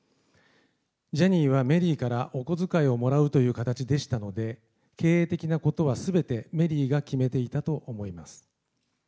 ジャニーはメリーからお小遣いをもらうという形でしたので、経営的なことはすべてメリーが決めていたと思います。